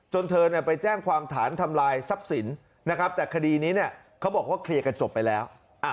เธอไปแจ้งความฐานทำลายทรัพย์สินนะครับแต่คดีนี้เนี่ยเขาบอกว่าเคลียร์กันจบไปแล้ว